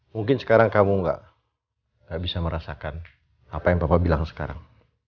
mungkin sekarang kamu gak bisa merasakan apa yang bapak bilang sekarang